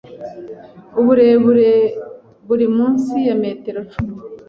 Uburebure buri munsi ya metero cumi